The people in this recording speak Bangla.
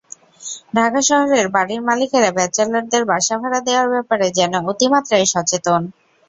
ঢাকা শহরের বাড়ির মালিকেরা ব্যাচেলরদের বাসা ভাড়া দেওয়ার ব্যাপারে যেন অতিমাত্রায় সচেতন।